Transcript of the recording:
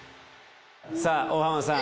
さぁ大浜さん。